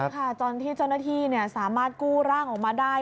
ค่ะตอนที่เจ้าหน้าที่สามารถกู้ร่างออกมาได้